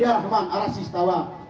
ya rahman alah sistawa